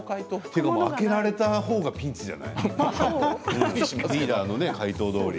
ドアが開けられたほうがピンチじゃない？リーダーの解答どおり。